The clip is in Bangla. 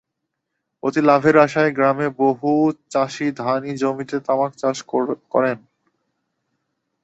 অতি লাভের আশায় গ্রামের বহু চাষি ধানি জমিতে তামাক চাষ করছেন।